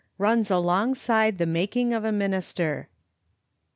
RUNS ALONGSIDE THE MAKING OF A MINISTER.